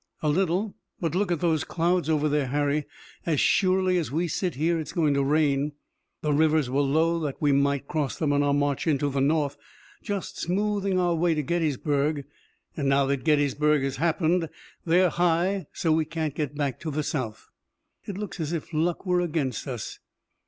"A little but look at those clouds over there, Harry. As surely as we sit here it's going to rain. The rivers were low that we might cross them on our march into the North, just smoothing our way to Gettysburg, and now that Gettysburg has happened they're high so we can't get back to the South. It looks as if luck were against us."